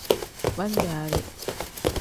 Pan-jaari.